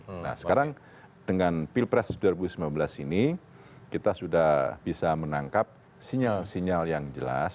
nah sekarang dengan pilpres dua ribu sembilan belas ini kita sudah bisa menangkap sinyal sinyal yang jelas